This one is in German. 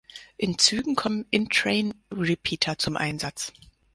In Zügen kommen Intrain-Repeater zum Einsatz.